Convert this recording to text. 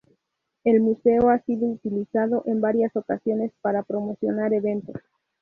El museo ha sido utilizado en varias ocasiones para promocionar eventos.